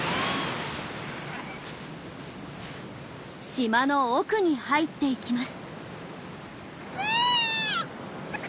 島の奥に入っていきます。